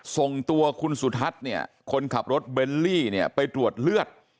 ส่งตัวคุณสุทัศน์เนี่ยคนขับรถเบลลี่เนี่ยไปตรวจเลือด